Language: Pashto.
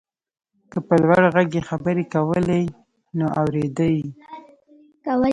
که په لوړ غږ يې خبرې کولای نو اورېده يې.